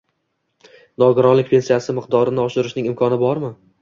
nogironlik pensiyasi miqdorini oshirishning imkoni bormi?